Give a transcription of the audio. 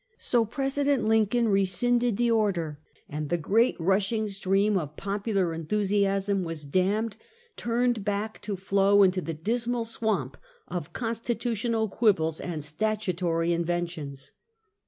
So, President Lin cohi rescinded that order, and the great rushing stream of popular enthu siasm was dammed, turned back to flow into the dismal swamp of constitutional quibbles and statutory inven tions.